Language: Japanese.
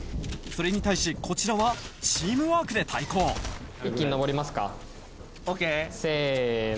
それに対しこちらはチームワークで対抗一気に上りますか？